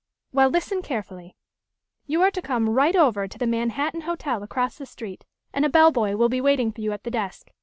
Well, listen carefully. You are to come right over to the Manhattan Hotel across the street and a bellboy will be waiting for you at the desk.